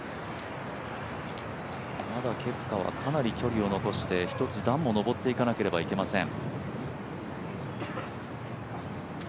まだケプカはかなり距離を残して、一つ段も上っていかなければいけません。